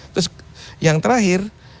terus yang terakhir